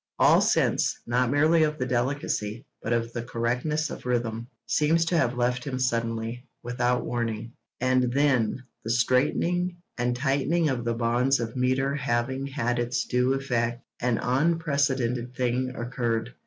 All sense, not merely of the delicacy, but of the correctness of rhythm, seems to have left him suddenly, without warning. And then, the straightening and tightening of the bonds of metre having had its due effect, an unprecedented thing occurred.